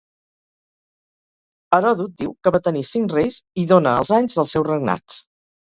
Heròdot diu que va tenir cinc reis i dóna els anys dels seus regnats.